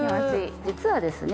実はですね